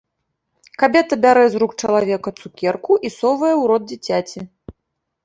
Кабета бярэ з рук чалавека цукерку і совае ў рот дзіцяці.